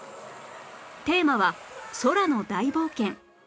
テーマは「空の大冒険」